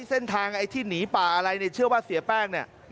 เส้นทางไอ้ที่หนีป่าอะไรเนี่ยเชื่อว่าเสียแป้งเนี่ย